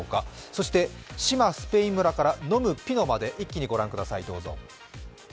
そして、志摩スペイン村から飲むピノまで、一気に御覧ください、どうぞ。